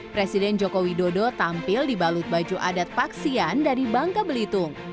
presiden joko widodo tampil dibalut baju adat paksian dari bangka belitung